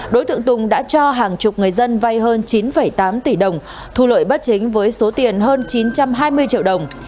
đối tượng tùng đã cho hàng chục người dân vay hơn chín tám tỷ đồng thu lợi bất chính với số tiền hơn chín trăm hai mươi triệu đồng